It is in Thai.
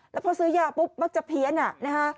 แล้วพอซื้อย่าปุ๊บบ้างจะเพียญ